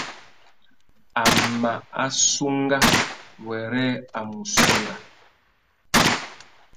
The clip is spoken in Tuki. A mà assunga wêrê a mù sunga.